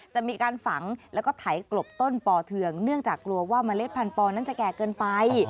จะมีการฝังแล้วก็ไถกลบต้นปอเทืองเนื่องจากกลัวว่าเมล็ดพันธอนั้นจะแก่เกินไป